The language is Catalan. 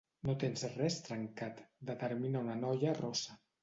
No tens res trencat —determina una noia rossa.